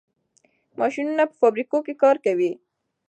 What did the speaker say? ماشینونه په فابریکو کې کار کوي.